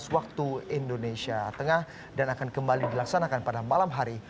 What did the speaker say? dua belas waktu indonesia tengah dan akan kembali dilaksanakan pada malam hari